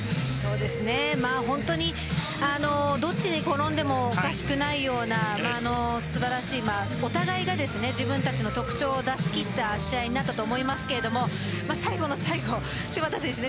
本当にどっちに転んでもおかしくないような素晴らしいお互いが自分たちの特徴を出し切った試合になったと思います。